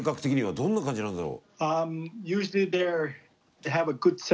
どんな感じなんだろう。